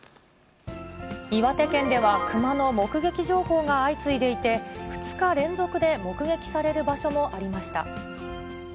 岩手県では、熊の目撃情報が相次いでいて、２日連続で目撃される場所もありました。